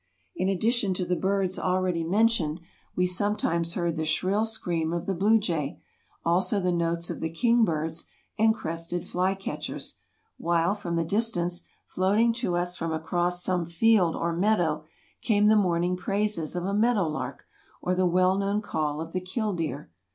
In addition to the birds already mentioned we sometimes heard the shrill scream of the blue jay, also the notes of the king birds and crested flycatchers, while from the distance, floating to us from across some field or meadow, came the morning praises of a meadow lark or the well known call of the kildeer.